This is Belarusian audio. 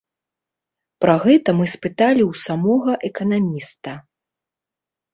Пра гэта мы спыталі ў самога эканаміста.